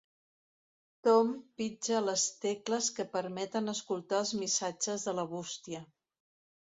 Tom pitja les tecles que permeten escoltar els missatges de la bústia.